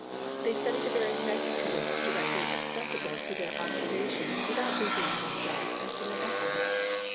They study the various magnitudes directly accessible to their observation without busying themselves as to their essence.